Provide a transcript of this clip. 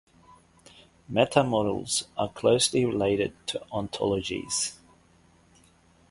Meta-models are closely related to ontologies.